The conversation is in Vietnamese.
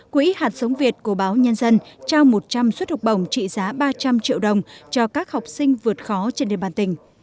quỹ hạt sống việt của báo nhân dân trao một trăm linh suất học bổng trị giá ba trăm linh triệu đồng cho các học sinh vượt khó trên địa bàn tỉnh